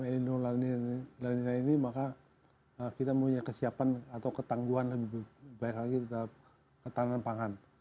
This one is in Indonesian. elinor dan lain lain ini maka kita mempunyai kesiapan atau ketangguhan lebih baik lagi terhadap pertahanan pangan